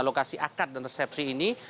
lokasi akad dan resepsi ini